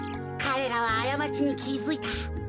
かれらはあやまちにきづいた。